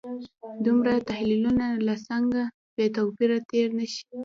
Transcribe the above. دومره تحولونو له څنګه بې توپیره تېر نه شي.